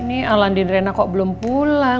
ini al landin rena kok belum pulang